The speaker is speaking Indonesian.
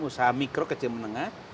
usaha mikro kecil menengah